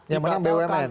yang menang bumn